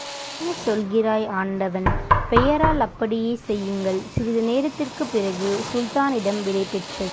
என்ன சொல்கிறாய்? ஆண்டவன் பெயரால் அப்படியே செய்யுங்கள்! சிறிது நேரத்திற்குப் பிறகு, சுல்தானிடம் விடைபெற்றது.